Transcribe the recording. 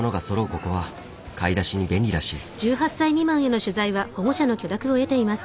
ここは買い出しに便利らしい。